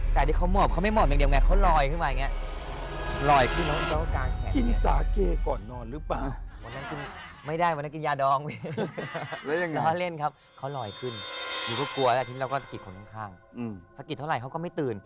ใจที่เขาหมอบเขาไม่หมอบอย่างเดียวไงเขาลอยขึ้นมาอย่างนี้